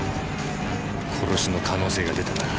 殺しの可能性が出たな。